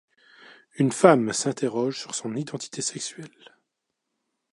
Une femme s'interroge sur son identité sexuelle.